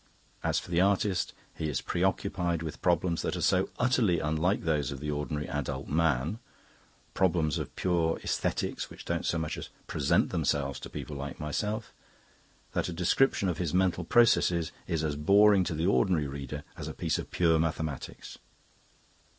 As for the artist, he is preoccupied with problems that are so utterly unlike those of the ordinary adult man problems of pure aesthetics which don't so much as present themselves to people like myself that a description of his mental processes is as boring to the ordinary reader as a piece of pure mathematics.